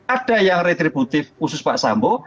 ada yang retributif khusus pak sambo